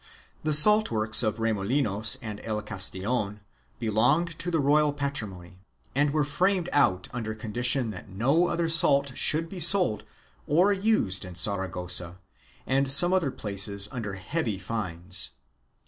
The salt works of Remolinos and el Castellon belonged to the royal patrimony and were farmed out under condition that no other salt should be sold or used in Saragossa and some other places under heavy fines.